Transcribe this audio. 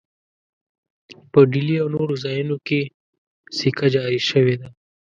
په ډهلي او نورو ځایونو کې سکه جاري شوې ده.